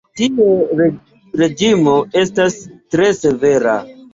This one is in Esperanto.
Tie reĝimo estas tre severa.